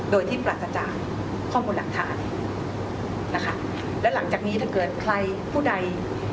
โดยที่ปราศจากข้อมูลหลักฐานนะคะและหลังจากนี้ถ้าเกิดใครผู้ใด